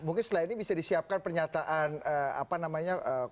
mungkin setelah ini bisa disiapkan pernyataan